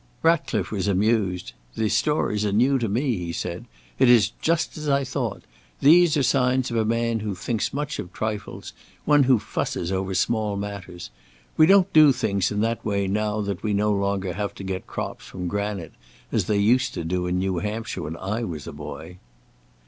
Ratcliffe was amused. "The stories are new to me," he said. "It is just as I thought. These are signs of a man who thinks much of trifles; one who fusses over small matters. We don't do things in that way now that we no longer have to get crops from granite, as they used to do in New Hampshire when I was a boy."